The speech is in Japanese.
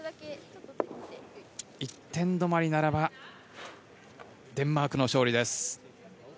１点止まりならばデンマークの勝利です。